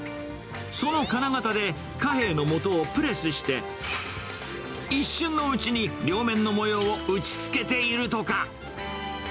その金型で貨幣のもとをプレスして、一瞬のうちに両面の模様を打ちつけているとか。